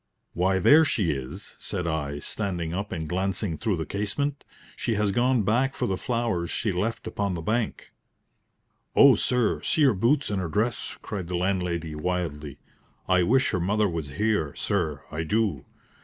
"Why, there she is," said I, standing up and glancing through the casement. "She has gone back for the flowers she left upon the bank." "Oh, sir, see her boots and her dress!" cried the landlady, wildly. "I wish her mother was here, sir I do.